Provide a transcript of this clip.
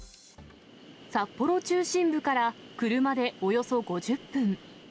札幌中心部から車でおよそ５０分。